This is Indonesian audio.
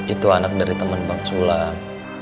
itu anak dari temen bang sulam